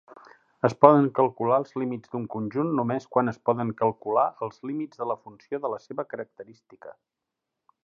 Es poden calcular els límits d'un conjunt només quan es poden calcular els límits de la funció de la seva característica.